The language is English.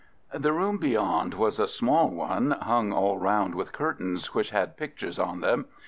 The room beyond was a small one, hung all round with curtains which had pictures on them.